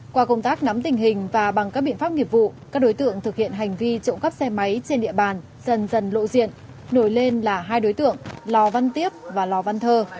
qua công tác nắm tình hình và bằng các biện pháp nghiệp vụ các đối tượng thực hiện hành vi trộm cắp xe máy trên địa bàn dần dần lộ diện nổi lên là hai đối tượng lò văn tiếp và lò văn thơ